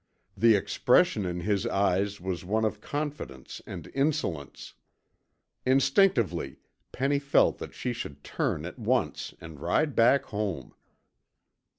The expression in the eyes was one of confidence and insolence. Instinctively, Penny felt that she should turn at once and ride back home.